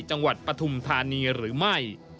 จังหวัดปฐุมธานีหรือไม่